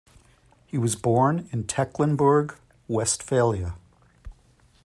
He was born in Tecklenburg, Westphalia.